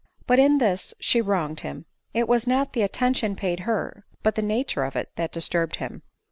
But in this she wronged him ; it was not the attention paid her, but the nature of it, that disturbed him.